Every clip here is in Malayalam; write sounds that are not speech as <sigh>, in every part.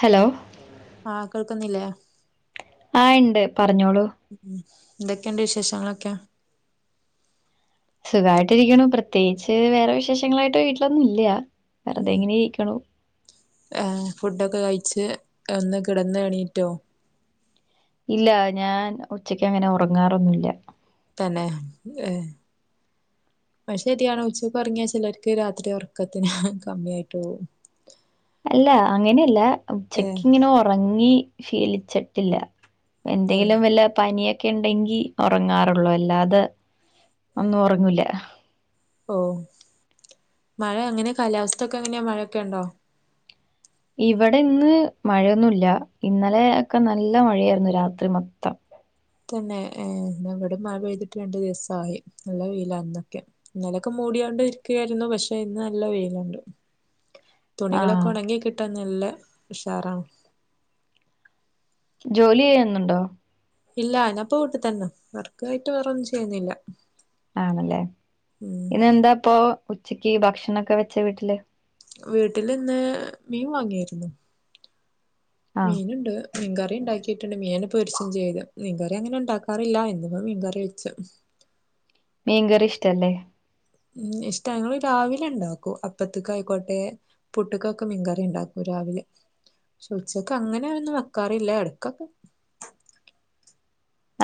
ഹലോ ആഹ് കേൾക്കുന്നില്ലേ ആഹ് ഇണ്ട് പറഞ്ഞോളൂ എന്തൊക്കെണ്ട് വിശേഷങ്ങളൊക്കെ? സുഖായിട്ട് ഇരിക്കണു പ്രത്യേകിച്ച് വേറെ വിശേഷങ്ങളായിട്ട് വീട്ടിലൊന്നും ഇല്ല വെറുതെ ഉം ഇങ്ങനെ ഇരിക്ക്ണു. ഫുഡൊക്കെ കഴിച്ച് ഒന്ന് കിടന്ന് എണീറ്റോ ഇല്ല ഞാൻ ഉച്ചക്ക് അങ്ങനെ ഉറങ്ങാറൊന്നുല്ല. തന്നെ ഏഹ് അയ് ശരിയാണ്. ഉച്ചക്ക് ഒർങ്ങിയാ ചെലോര്ക്ക് രാത്രി ഒർക്കത്തിന് കമ്മിയായ്ട്ടോവും <unintelligible> അല്ല അങ്ങനെയല്ല ഉച്ചക്ക് ഇങ്ങനെ ഒറങ്ങി ശീലിച്ചട്ടില്ല. തന്നെ എന്തെങ്കിലും വല്ല പനിയൊ ക്കെണ്ടെങ്കി ഒറങ്ങാറുള്ളൂ. അല്ലാതെ ഒന്നും ഒർങ്ങൂല. ഓഹ് മഴ അങ്ങനെ കാലാവസ്ഥൊക്കെ എങ്ങനെയാ മഴക്കെണ്ടോ? ഇവടെ ഇന്ന് മഴയൊന്നുല്ല. ഇന്നലെ ഒക്കെ നല്ല മഴയായിരുന്നു രാത്രി മൊത്തം തന്നെ എ ന്നാ ഇവടെ മഴ പെഴ്തിട്ട് രണ്ടു ദിവസായി നല്ല വെയിലാ ഇന്നൊക്കെ ഇന്നലൊക്കെ മൂടിയാണ്ട് ഇരിക്കായിരുന്നു. പശേ ഇന്ന് നല്ല വെയില്ണ്ട്. ആ തുണികളൊക്കെ ഒണങ്ങി കിട്ടാൻ നല്ല ഉഷാറാണ്. ജോലി എയ്യുന്നുണ്ടോ? ഇല്ല ഞാപ്പ വീട്ട് തന്നാ വർക്കായിട്ട് വേറോന്നും ചെയ്യുന്നില്ല. ആണല്ലേ ഉം ഇന്നെന്താ ഇപ്പൊ ഉച്ചക്ക് ഭക്ഷണെക്കെ വെച്ച വീട്ടില്? വീട്ടില് ഇന്ന് മീൻ വാങ്ങിര്ന്നു. ആ മീന്ണ്ട് മീൻകറി ഇണ്ടാക്കിയിട്ട്ണ്ട്. മീയന്നെ പൊര്ച്ചും ചെയ്ത് മീൻകറി അങ്ങനെ ഇണ്ടാക്കാറില്ല. ഇന്നിപ്പോ മീൻകറി വെച്ച്. മീൻകറി ഇഷ്ടല്ലേ ഉം ഇഷ്ട ഞങ്ങള് രാവിലെ ഉണ്ടാക്കും അപ്പത്തിക്ക് ആയിക്കോട്ടെ പുട്ടുക്കോക്കെ മീൻകറി ഇണ്ടാക്കൂ രാവിലെ പക്ഷെ ഉച്ചക്ക് അങ്ങനെ ഒന്നു വെക്കാറില്ല ഇടക്കൊക്കെ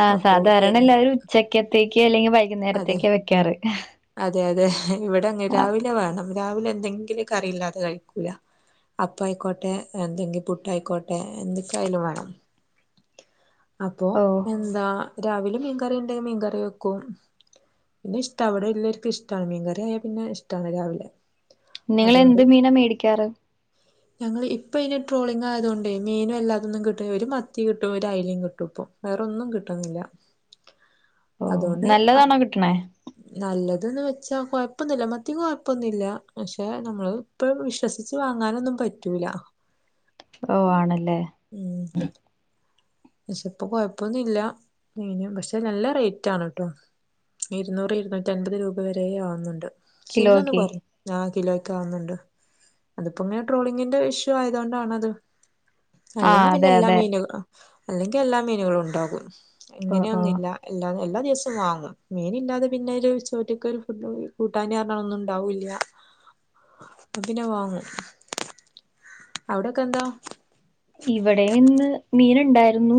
ആഹ് അപ്പൊ എ സാധാരണ എല്ലാവരും ഉച്ചക്കത്തേക്ക് അല്ലെങ്കി അതെ വൈകുന്നേരത്തേക്കെ വെക്കാറ് അതെ അതെ ഇവിട അങ്ങെ ആ, രാവിലെ വേണം രാവിലെ എന്തെങ്കിലും കറിയില്ലാതെ കഴിക്കൂല അപ്പായിക്കോട്ടെ എന്തെങ്കി പുട്ടായിക്കോട്ടെ എന്തൊക്കെ ആയാലും വേണം അപ്പൊ ഓ എന്താ രാവിലെ മീൻകറി ഉണ്ടെ മീൻകറി വെക്കും മീൻ ഇഷ്ട അവിടെല്ലെർക്കും ഇഷ്ടാണ് മീൻകറി ആയാൽ പിന്നെ ഇഷ്ടാണ് രാവിലെ നിങ്ങള് എന്ത് മീനാ മേടിക്കാറ് ഞങ്ങള് ഇപ്പ ഇനി ട്രോളിങ് ആയതുകൊണ്ടെ മീനുയെല്ലാതോന്നും കിട്ടുല ഒരു മത്തി കിട്ടും ഒരു അയലും കി ട്ടും പ്പൊ വേറോന്നും കിട്ടുന്നില്ല ഓ അതുകൊണ്ട് അ നല്ലതാണോ കിട്ടണേ നല്ലതന്ന് വെച്ചാ കൊഴപ്പോന്നുല്ല മത്തിക്ക് കൊഴപ്പോന്നുല്ല പക്ഷെ നമ്മള് ഇപ്പൊ വിശ്വസിച്ച് വാങ്ങാനൊന്നും പറ്റൂല ഓ ആണല്ലേ ഉം ക്ഷേ ഇപ്പൊ കൊഴപ്പൊന്നുല്ല മീന് പക്ഷെ നല്ല റേറ്റ് ആണെട്ടോ ഇരുന്നൂറ് ഇരുന്നൂറ്റി അൻപത് രൂപ വരെ ആവുന്നുണ്ട് ക്ഷേ ഇന്നോന്ന് കിലോക്ക് കുറഞ്ഞു ആഹ് കിലോക്ക് ആവുന്നുണ്ട് അതിപ്പോ ഇങ്ങനെ ട്രോളിങ്ങിന്റെ ഇഷ്യൂ ആയതൊണ്ടാണത് അല്ലെങ്കി ആഹ് പിന്നെ അതെ എല്ലാ അതെ മീനുക അല്ലെങ്കി എല്ലാ മീനുകളും ഉണ്ടാകും ഓ ഓ ഇങ്ങനെയൊന്നില്ല. എല്ലാ എല്ലാ ദിവസവും വാങ്ങും മീനില്ലാതെ പിന്നോരു ചോറ്റിക്കൊരു ഫുഡ് കൂട്ടാന് പറഞ്ഞ ഒന്നും ഉണ്ടാവൂല്ല ഇപ്പൊ പിന്നെ വാങ്ങും അവിടൊക്കെ എന്താ ഇവിടെയുന്ന് മീന് ഉണ്ടായിരുന്നു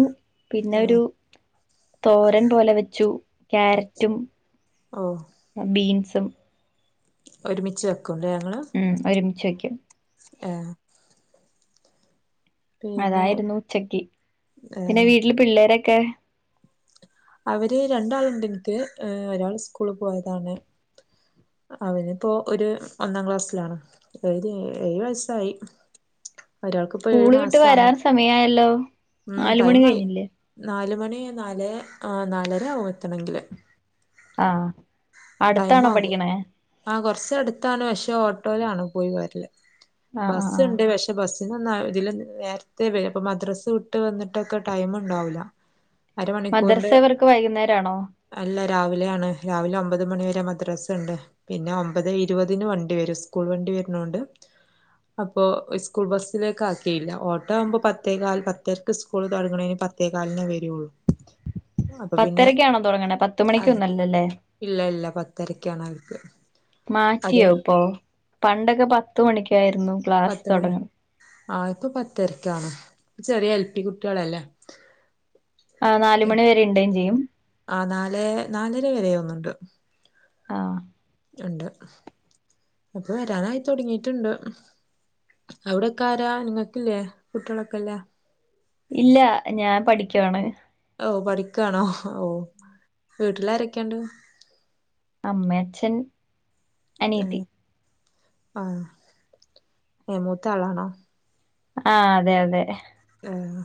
പിന്നെ ആഹ് ഒരു തോരൻ പോലെ വെച്ചു ക്യാരറ്റും ഓ ബീൻസും ഒരുമിച്ച് വയ്ക്കുല്ലേ ങ്ങള് ഉം ഒരുമിച്ച് വെക്കും ആഹ് പിന്നെ അതായിരുന്നു ഉച്ചക്ക് പിന്നെ വീട്ടില് പിള്ളേരൊക്കെ അവര് രണ്ടാളുണ്ട് എനിക്ക് ഒരാള് സ്കൂളി പോയതാണ് അവനിപ്പോ ഒരു ഒന്നാം ക്ലാസ്സിലാണ് ഒര് ഏഴ് വയസായി സ്കൂള് വിട്ട് വരാൻ സമയായല്ലോ നാല് മണി കഴിഞ്ഞില്ലേ നാലു മണി നാല് നാലര ആകും എത്തണെങ്കില് ആഹ് ടൈം അടുത്താണോ ആകും പഠിക്കണേ ആ കൊറച്ച് അടുത്താണ് പക്ഷെ ഓട്ടോയിലാണ് പോയി വരല് ആഹ് ബസ് ആഹ് ആഹ് ഇണ്ട് പക്ഷ് ബസ്സിൽന്ന ഇതിൽ നേരത്തെേ വരും അപ്പോ മദ്രസ്സ് വിട്ട് വന്നിട്ടൊക്കെ ടൈമുണ്ടാകില്ല <unintelligible> മദ്രസവർക്ക് വൈകുന്നേരം ആണോ അല്ല രാവിലെ ആണ് രാവിലെ ഒമ്പത് മണിവരെ മദ്രസ ഇണ്ട് പിന്നെ ഒമ്പത് ഇരുപതിന് വണ്ടി വരും സ്കൂൾ വണ്ടി വരുന്നോണ്ട് അപ്പൊ സ്കൂൾ ബസ്സിലേക്ക് ആക്കിയില്ല ഓട്ടോ ആവുമ്പോൾ പത്തേക്കാൽ പത്തരക്ക് സ്കൂൾ തുടങ്ങ്ണിന് പത് ത്തെ കാലിന് വരുള്ളൂ അപ്പൊ പിന്നെ പത്തരക്കാണോ തുടങ്ങണത് അത് പത്തുമണിക്കൊന്നും അല്ല ല്ലേ ഇല്ല ഇല്ല പത്തരക്കാണ് അവർക്ക് അത് മാറ്റിയോ കൊ ഇപ്പോ പണ്ടൊക്കെ പത്ത് മണിക്കായിരുന്നു ക്ലാസ് പത്തുമണി തുടങ്ങ ആ ഇപ്പൊ പത്തരക്കാണ് ചെറിയ എൽ പി കുട്ടികളല്ലേ ആ നാല് മണി വരെ ഇണ്ടെ ചെയ്യും ആ നാലേ നാലര വരെ തോന്നുന്നുണ്ട് ആഹ് ഇണ്ട് ഇപ്പൊ വരാനായിതുടങ്ങിയിട്ടുണ്ട് അവിടൊക്കെ ആരാ നിങ്ങക്കില്ലേ കുട്ടികളൊക്കെല്ലെ ഇല്ല ഞാൻ പഠിക്കുവാണ് ഓ പഠിക്കാണോ ഓ വീട്ടിലാരൊക്കെയുണ്ട്? അമ്മ അച്ഛൻ ഉം അനിയത്തി ആഹ് നീ മൂത്ത ആളാണോ? ആഹ് അതെ അതെ ഉം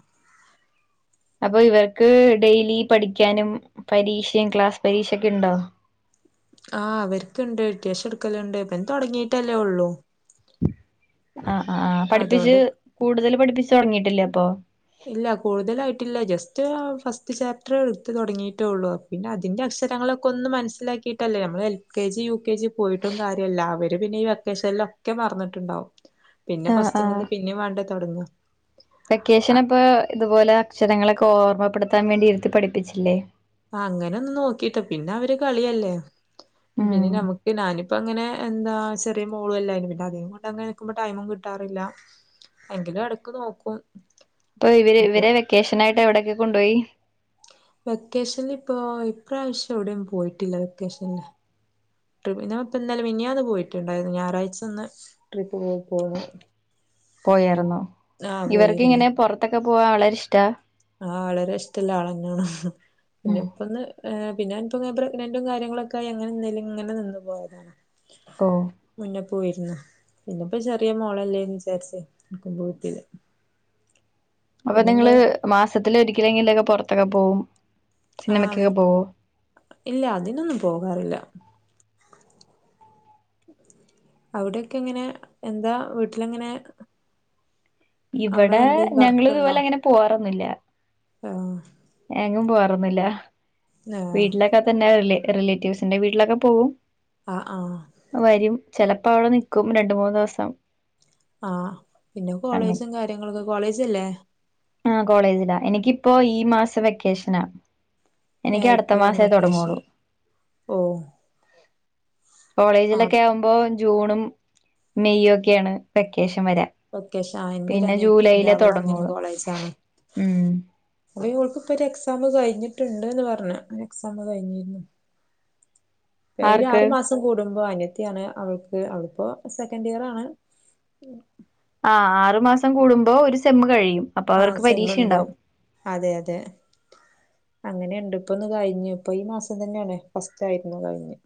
അപ്പൊ ഇവർക്ക് ഡെയിലി പഠിക്കാനും പരീക്ഷയും ക്ലാസ് പരീക്ഷൊക്കെ ഉണ്ടോ? ആഹ് അവർക്കുണ്ട് അത്യാവശ്യം എടുകലുണ്ട് ഇപ്പൊ തുടങ്ങിയിട്ടേ ഒള്ളു ആ ആ ആ പഠിപ്പിച്ച് അതുകൊണ്ട് കൂടുതൽ പഠിപ്പിച്ചു തുടങ്ങിട്ടില്ലേ അപ്പൊ? ഇല്ല കൂടുതലായിട്ടില്ല ജസ്റ്റ് ആ ഫസ്റ്റ് ചാപ്റ്റർ എടുത്ത് തുടങ്ങിട്ടേള്ളൂ അ പിന്നെ അതിൻ്റെ അക്ഷരങ്ങളൊക്കൊന്ന് മനസ്സിലാക്കിയിട്ടല്ലേ നമ്മൾ എൽകെജി യുകെജി പോയിട്ടും കാര്യല്ല അവർ പിന്നെ ഇവ കേശലിനൊക്കെ മറന്ന്ട്ടുണ്ടാവും പിന്നെ ആഹ് ആഹ് ഫസ്റ്റ്ങ്ങ്ന്ന് പിന്നെയും വേണ്ട തൊടങ്ങ വെക്കേഷൻ ഇപ്പൊ ഇതുപോലെ അക്ഷരങ്ങളൊക്കെ ഓർമ്മപ്പെടുത്താൻ വേണ്ടി ഇരുത്തി പഠിപ്പിച്ചില്ലേ? അങ്ങനെ ഒന്ന് നോക്കിയിട്ട് പിന്നെ അവര് കളിയല്ലേ ഉം പിന്നെ നമുക്ക് ഞാനിപ്പൊ ഇങ്ങനെ എന്താ ചെറിയ മോളും അല്ലെ പിന്നെ അതിന് കൊണ്ട് അങ്ങനെ ക്കും ടൈമും കിട്ടാറില്ല എങ്കിലും എടക്ക് നോക്കും ഇപ്പൊ ഇവര് അപ്പൊ ഇവരെ വെക്കേഷനായിട്ട് എവിടെയൊക്കെ കൊണ്ടോയി? വെക്കേഷനിൽ ഇപ്പോ ഇപ്രാവശ്യം എവിടെയും പോയിട്ടില്ല വെക്കേഷനില് ട്രിപ്പ് ഇപ്പോ ഇന്നലെ മിഞ്ഞാന്ന് പോയിട്ടുണ്ടായിരുന്നു ഞായറാഴ്ച ഒന്ന് ട്രിപ്പ് പോയി പോന്നു പോയാർന്നു ആഹ് ഇവർക്ക് പോയിരുന്നു ഇങ്ങനെ പൊറത്തൊക്കെ പോവാ വളരെ ഇഷ്ടാ? ആഹ് വളരെ ഇഷ്ടല്ല ആളന്നെയാണ് ഹ് പിന്നെ ഉം ഇപ്പൊന്ന് പിന്നെ ഇൻക് ഇപ്പോ പ്രെ്നന്റ കാര്യങ്ങളൊക്കെയി അങ്ങനെ നില നിന്ന് പോയതാണ് ഓഹ് മുന്നേ പോയിരുന്നു പിന്നെപ്പോ ചെറിയ മോളല്ലേന്ന് വിചാരിച് എങ്ങട്ടും പോയിട്ടില്ല അപ്പൊ പിന്നെന്താ നിങ്ങള് മാസത്തില ഒരിക്കലെങ്കിലൊക്കെ പൊറത്തൊക്കെ പോകും? ആഹ് അങ്ങനെ ഇല്ല അതിനൊന്നും പോകാറില്ല അവിടൊക്കെ എങ്ങനെ എന്താ വീട്ടിലെങ്ങനെ? അമ്മ ഇവിടെ എന്തേലും ഞങ്ങള് ഇതുപോലെ ഇങ്ങനെ പോവാറൊന്നുല്ല ഓഹ് എങ്ങും പോവാറൊന്നില്ല ആഹ് വീട്ടിലൊക്കെ തന്നെ റി റിലേറ്റീവ്സിന്റെ വീട്ടിലൊക്കെ പോകും ആഹ് ആഹ് വരും ചെലപ്പോവിടെ നിക്കും രണ്ടു മൂന്ന്സം ആഹ് പിന്നെ കോളേജും കാര്യങ്ങളൊകെ കോളേജില്ലേ? ആ കോളേജില്ലാ എനിക്കിപ്പോ ഈ മാസ വെക്കേഷനാ ഏഹ് എനിയ്ക്കടുത്ത ഇപ്പഴാണ് മാസേ വെക്കേഷൻ തൊടങ്ങള്ളു ഓ ആഹ് കോളേജിലൊക്കെയാവുമ്പോ ജൂണും മെയും ഒക്കെയാണ് വെക്കേഷൻ വരാ ഓക്കെ ഷാന്റെരു പിന്നെ ജൂലൈയിലേ അനിയത്തിണ്ടാവള ങ്ങനെ തൊടങ്ങുള്ളൂ കോളേജാണ് ഉം ഇയോൾക്ക് പ്പൊരു എക്സാമ് കയി ഞ്ഞിട്ടുണ്ട്ന്ന് പറഞ്ഞെ ന്ന് എക്സാം കയിഞ്ഞിരുന്ന് എവ്ടെ ആർക്ക് ആറ് മാസ് ത് കൂടുമ്പാ അനിയത്തിയാണ് അവൾക്ക് അവൾപ്പോ സെക്കൻഡിയറാണ് ആ ആറു മാസം കൂടുമ്പോ ഒരു സെമ്മ് കഴിയും ആഹ് അപ്പവർക്ക് സെമ്മുണ്ട് പരീക്ഷണ്ടാവും അതെ അതെ അങ്ങനെയുണ്ട് ഇപ്പൊന്ന് കഴിഞ്ഞു ഇപ്പൊ ഈ മാസം തന്നെയാണേ ഫസ്റ്റ് ആയിരുന്നു കഴിഞ്ഞു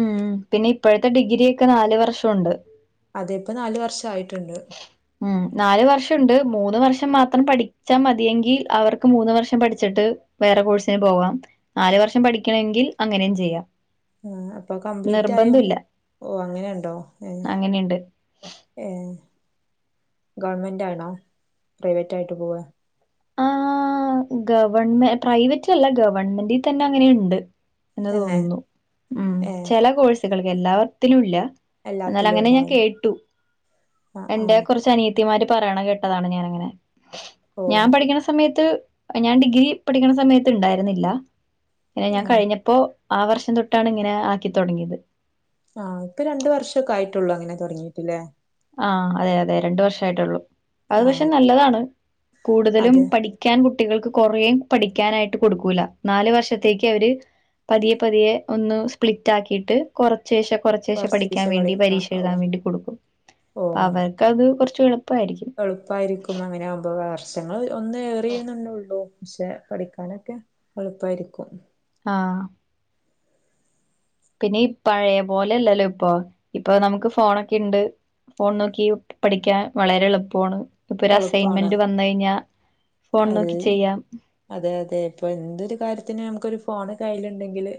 ഉംഹ് പിന്നെ ഇപ്പോഴത്തെ ഡിഗ്രിയൊക്കെ നാല് വർഷോണ്ട് അതെ പ്പ നാല് വർഷായിട്ട്ണ്ട് ഉംഹ് നാല് വർഷംണ്ട് മൂന്ന് വർഷം മാത്രം പഠിച്ചാ മതിയെങ്കി അവർക്ക് മൂന്ന് വർഷം പഠിച്ചിട്ട് വേറെ കോഴ്സിന് പോവാാം നാലു വർഷം പഠിക്കണങ്കിൽ അങ്ങനെയും ചെയ്യാം ആഹ് പ്പൊ കംപ്ലീറ്റായൊ നിർബന്ധം ഇല്ല ഓഹ് അങ്ങനെ ണ്ടോ ഏഹ് അങ്ങനെയുണ്ട് ഏഹ് ഗവൺമെന്റാണോ പ്രൈവറ്റായിട്ട് പോവ ആഹ് ഗവൺമെ പ്രൈവറ്റല്ല ഗവൺമെന്റി തന്നെ അങ്ങനെണ്ട് ന്ന് തന്നെ തോൻന്നു ഉം ഏഹ് ചെല കോഴ്സുകൾക്ക് എല്ലാവ്ത്തിലുല്ല എല്ലാത്തിലും ന്നാലങ്ങനെ ഞാൻ ഉണ്ടാവും കേട്ടു ആ ആ എന്റെ കുറച്ചനിയ ത്തിമാര് പറയണകേട്ടതാണ് ഞാനങ്ങനെ ഓ ഞാൻ പഠിക്കണ സമയത്ത് ഞാൻ ഡിഗ്രി പഠിക്കണ സമയത്ത് ഇ ണ്ടായിരുന്നില്ല എഹ് ഞാൻ ആ കഴിഞ്ഞ പ്പോ ആ വർഷം തൊട്ടാണ് ഇങ്ങനെ ആക്കി തുടങ്ങിയത് ആഹ് ഇപ്പ രണ്ട് വർഷക്കെ ആയിട്ടുള്ളൂ അങ്ങനെ തുടങ്ങിയിട്ട് ല്ലേ ആഹ് അതെ അതെ രണ്ട് വർഷായിട്ടുള്ളൂ അത് ആ പക്ഷെ നല്ലതാണ് കൂടുതലും അതെ പഠി ക്യാൻ കുട്ടികൾക്ക് കുറേ പഠിക്കാനായിട്ട് കൊടുക്കൂല്ല നാല് വർഷത്തേക്കവര് പതിയെ പതിയെ ഒന്ന് സ്പ്ലിറ്റാക്കിയിട്ട് കൊറ ശേഷം കുറച്ചേശെ പഠിയ്ക്കാൻ കൊറച്ചീശെ വേണ്ടി പഠിക്കാം പരീക്ഷ ഓ എഴുതാൻ വേണ്ടി കൊടുക്കും ഓ അവർക്കത് കൊറച്ചെളുപ്പായിരിക്കും എളുപ്പായിരിക്കും അങ്ങയാമ്പോ വർഷങ്ങൾ ഒന്ന് ഏറിയുന്നുള്ളൂ ക്ഷെ പഠിക്കാനൊക്കെ എളുപ്പായിരിക്കും ആഹ് പിന്നെ പഴയ പോലല്ലല്ലോ പ്പൊ ഇപ്പോ നമുക്ക് ഫോണൊക്കെണ്ട് ഫോൺ നോക്കി പഠിക്കാൻ വളരെ ളുപ്പാണ് എളുപ്പാണ് ഇപ്പൊരസൈൻമെന്റ് വന്നയിഞ്ഞാൽ ഫോൺ അത് നോക്കി ചെയ്യാം അതെ അതെ പ്പൊന്തൊരു കാര്യത്തിന് ന്നമ്ക്കൊരു ഫോണ് കയ്യിലുണ്ടെങ്കില്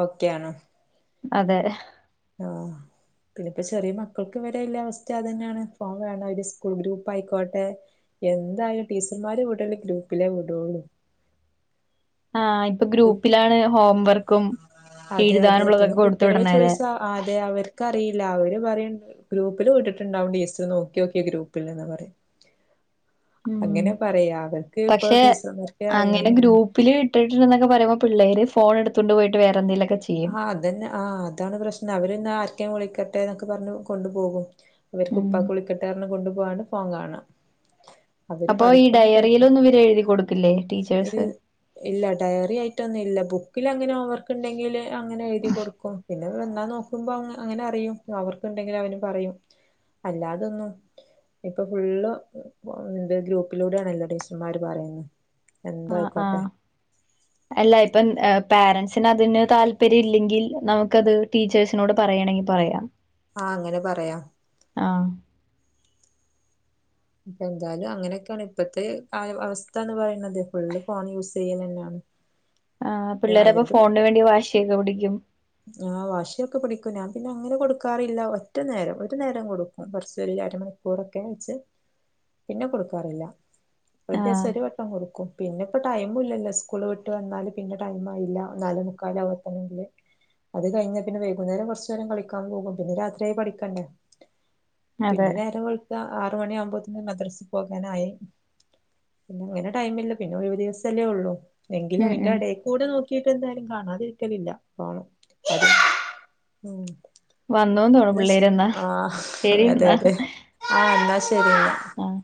ഓക്കെ ആണ് അതെ ഹ് ആഹ് പ്നിപ്പോ ചെറിയ മക്കൾക്കും വരെ ല്ല വസ്ഥ അതന്നാണ് ഫോൺ കാരണം സ്കൂൾ ഗ്രൂപ്പ് പ്പയിക്കോട്ടെ എന്തായാലും ടീച്ചർമാരെ വിടണെ ഗ്രൂപ്പിലേ വിടൂ ആഹ് ഇപ്പൊ ഗ്രൂപ്പിലാണ് ഹോം വർക്കും എഴുതാനുള്ളതൊക്കെ കൊടുത്ത് വിടണലെ ആഹ് അതെ അവർക്കറിയില്ല അവര് പറയണ്ട് ഗ്രൂപ്പിൽ വിട്ടിട്ട്ണ്ടാകും ടീച്ചർ നോക്കിയോക്കി ഗ്രൂപ്പിലിന്ന് പറയും ഉം അങ്ങനെ പറയാ അവർക്ക്‌ പ്പൊ ടീച്ചർമാർക്കേയിണ് പില് ഇട്ടിട്ട്ല്ലനൊക്കെ പറുമ്പോ പിള്ളേര് ഫോണെടുത്തൊണ്ട് പോയിട്ട് വേറെന്തങ്കിലൊക്കെ ച്ചെ ആഹ് അതന്നെ ആഹ് അതാണ് പ്രശ്നം അവരെന്നെ ആർക്കെയും വിളിക്കട്ടെ എന്നൊക്കെ പറഞ്ഞു കൊണ്ടു പോകും അവർക്ക് ഉം ഉപ്പാക്ക് വിളിക്കട്ടെർഞ് കൊണ്ടു പോവാണ് ഫോൺ കാണാ അവര് അപ്പൊ ഈ പഠിക്കണ ടൈ ഡയറിയിലൊന്നും ഇവരെ എഴുതി കൊടുക്കില്ലേ ഇൽ ടീച്ചേഴ്സ് ഇല്ല ഡയറി ആയിട്ടൊന്നും ഇല്ല ബുക്കിൽ അങ്ങനെ ഹോംവർക്ക് ഉണ്ടെങ്കില് അങ്ങനെ എഴുതി കൊടുക്കും പിന്നെ എന്താ നോക്കുമ്പോ അങ്ങനെ അറിയും ഹോംവർക്ക് ഉണ്ടെങ്കിൽ അവനും പറയും അല്ലാതൊന്നും ഇപ്പൊ ഫുള്ള് ത് ഗ്രൂപ്പിലൂടെ ആണല്ലോ ടീച്ചർമാര് പറയുന്ന ആഹ് ആഹ് അല്ല ഇപ്പം പേരൻറ്സിന് അതിന് താല്പര്യം ഇല്ലെങ്കിൽ നമുക്കത് ടീച്ചേഴ്സ് നോട്‌ പറയണെങ്കി പറയാം ആഹ് അങ്ങനെ പറയാം ആഹ് ഇപ്പ എന്തായാലും അങ്ങനെയൊക്കെയാണ് ഇപ്പത്തെ ആയ് അവസ്ഥ എന്ന് പറയുന്നത് ഫുള്ള് ഫോൺ യൂസ് ചെയ്യല്ന്നെണ് ആഹ് പിള്ളേരപ്പോ ഫോണിന് വേണ്ടി വാശി ഒക്കെ പിടിക്കും ആഹ് വാശിയൊക്ക പിടിക്കും ഞാൻ പിന്നെ അങ്ങനെ കൊടുക്കാറില്ല ഒറ്റ നേരം ഒരു നേരം കൊടുക്കും കുറച്ചു അരമണി ഉറക്കേച് പിന്നെ കൊടുക്കാറില്ല ഒരു ദിവസം ആഹ് ഒരു വട്ടം കൊടുക്കും പിന്നെ ഇപ്പ ടൈം ഇല്ലാലോ സ്കൂള് വിട്ട് വന്നാലും പിന്നെ ടൈം ആയില്ല ന്നാലും കാലാവത്തന്നേല്ലേ അത് കഴിഞ്ഞ പിന്നെ വൈകുന്നേരം കുറച്ചു നേരം കളിക്കാൻ പോകും പിന്നെ രാത്രിയായ പഠിക്കണ്ടേ അതെ പിന്നെ നേരം വെള്ത്താ ആറു മണിയാവുമ്പോത്തിന്ന് മദ്രസ്സ്ക്ക് പോകാനായി പിന്നെ പിന്നെ ടൈമില്ല പിന്നെ ഒരു ഒരീസല്ലേ ഉള്ളു എങ്കിലും ഉം അയിന്റെ ഉം എടേക്കൂടേ നോക്കിയിട്ട് എന്തായാലും കാണാതിരിക്കലില്ല പോണം <inaudible> ഉം വന്നൂന്ന് തോന്നുന്നു എന്നാ ശ് പിള്ളേരെന്നാ ആഹ് ശരി അതെ എന്നാ അതെ ആഹ് എന്നാ ശരിന്നാ ആഹ്